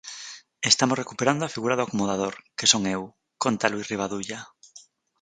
"Estamos recuperando a figura do acomodador, que son eu", conta Luis Rivadulla.